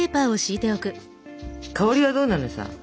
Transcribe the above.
香りはどうなのさ？